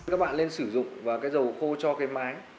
các bạn nên sử dụng dầu khô cho mái